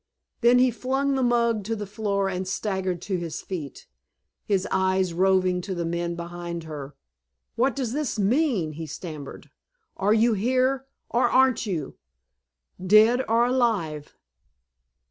Then he flung the mug to the floor and staggered to his feet, his eyes roving to the men behind her. "What does this mean?" he stammered. "Are you here or aren't you dead or alive?"